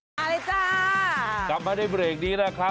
กันสุดกับสะบัดเข้า